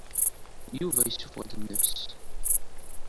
Yuba yessuffeɣ-d nnefs.